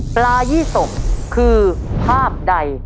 ปลายี่สกคือภาพใด